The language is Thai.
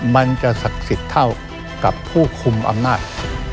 มันจะศักดิ์สิทธิ์เท่ากับผู้คุมอำนาจ